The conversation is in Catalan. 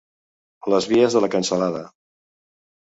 Les vies de la cansalada.